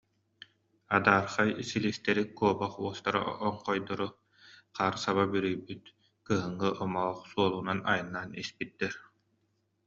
Адаархай силистэри, куобах уостара оҥхойдору, хаар саба бүрүйбүт кыһыҥҥы омоох суолунан айаннаан испиттэр